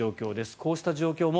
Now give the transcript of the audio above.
こうした状況も